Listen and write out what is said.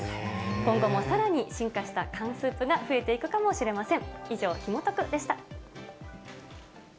今後もさらに進化した缶スープが増えていくかもしれません。